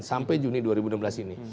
sampai juni dua ribu enam belas ini